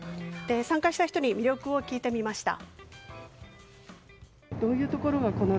参加した人に魅力を聞いてみました。